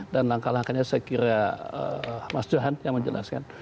dan langkah langkahnya saya kira mas johan yang menjelaskan